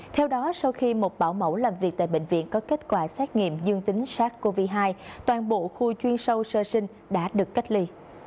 theo đó sau khi một bảo mẫu làm việc tại bệnh viện có kết quả xét nghiệm dương tính sars cov hai toàn bộ khu chuyên sâu sơ sinh đã được cách ly